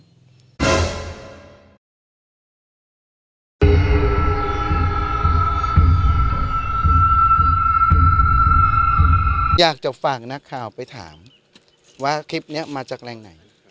อยากจะฝากนักข่าวไปถามว่าคลิปนี้มาจากแรงไหน